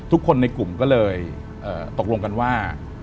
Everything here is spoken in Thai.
ทุกคนในกลุ่มก็เลยตกลงกันว่า